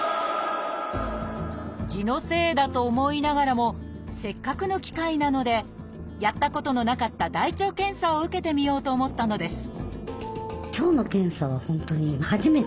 痔のせいだと思いながらもせっかくの機会なのでやったことのなかった大腸検査を受けてみようと思ったのです